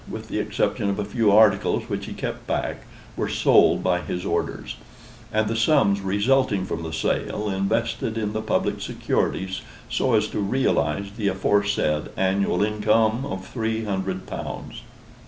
with the exception of a few articles which he kept back, were sold by his orders; and the sums resulting from the sale invested in the public securities so as to realize the aforesaid annual income of three hundred pounds.